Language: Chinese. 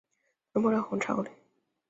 草莓欧蕾和红茶欧蕾